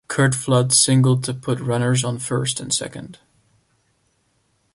Curt Flood singled to put runners on first and second.